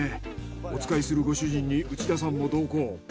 お使いするご主人に内田さんも同行。